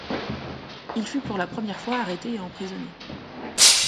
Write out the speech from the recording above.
Il fut pour la première fois arrêté et emprisonné.